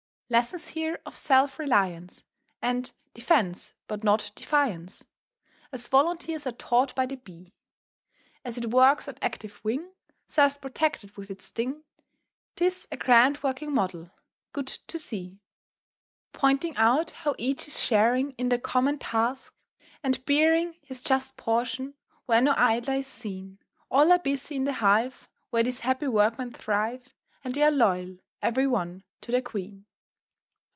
_"] Lessons here of self reliance, And "defence but not defiance," As Volunteers are taught by the Bee. As it works on active wing, Self protected with its sting, 'Tis a grand working model, good to see; [Illustration: "... Its music as it rifles."] Pointing out how each is sharing In the common task, and bearing His just portion; where no idler is seen: All are busy in the hive Where these happy workmen thrive, And they're loyal, every one, to their Queen.